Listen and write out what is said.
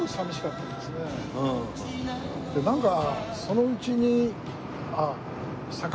なんかそのうちにああ。